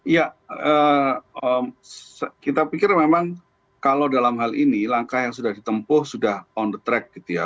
ya kita pikir memang kalau dalam hal ini langkah yang sudah ditempuh sudah on the track gitu ya